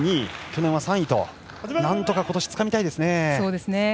去年は３位となんとか今年、つかみたいですね。